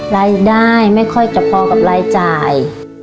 รายได้ไม่ค่อยจะพอกับรายจ่าย